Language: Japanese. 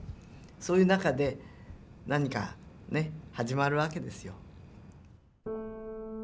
そういう中で何かね始まるわけですよ。